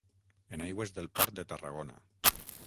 En aigües del port de Tarragona.